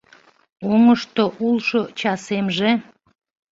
Оҥышто улшо часемже